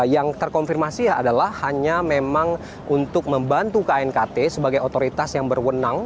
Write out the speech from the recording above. yang terkonfirmasi adalah hanya memang untuk membantu knkt sebagai otoritas yang berwenang